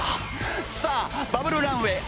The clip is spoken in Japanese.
さあバブルランウェイ